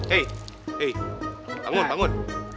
hei bangun bangun